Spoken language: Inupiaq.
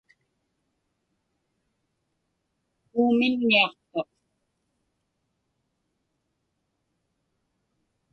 Puumiiññiaqtuq.